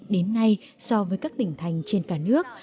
đến nay so với các tỉnh thành trên cả nước